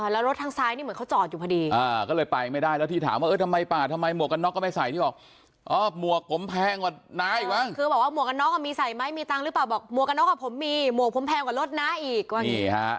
แล้วรถทางซ้ายมัน๔๐๑เหมือนเขาจอดอยู่พอดี